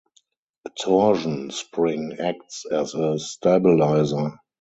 A torsion spring acts as a stabiliser.